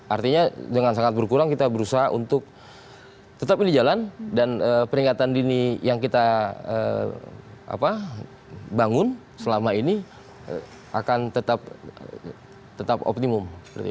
artinya dengan sangat berkurang kita berusaha untuk tetap ini jalan dan peringatan dini yang kita bangun selama ini akan tetap optimum